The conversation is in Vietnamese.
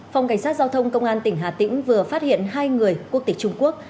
phòng cảnh sát giao thông công an tỉnh hà tĩnh vừa phát hiện hai người quốc tịch trung quốc